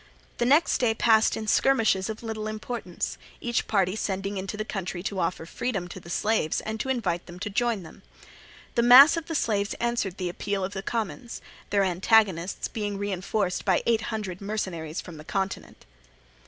The next day passed in skirmishes of little importance, each party sending into the country to offer freedom to the slaves and to invite them to join them. The mass of the slaves answered the appeal of the commons; their antagonists being reinforced by eight hundred mercenaries from the continent.